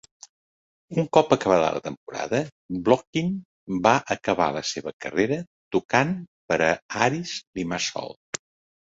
Un cop acabada la temporada, Blokhin va acabar la seva carrera tocant per a Aris Limassol.